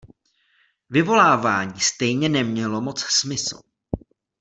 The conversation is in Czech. Vyvolávání stejně nemělo moc smysl.